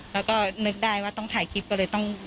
แล้วก็นึกได้ว่าต้องถ่ายคลิปก็เลยต้อง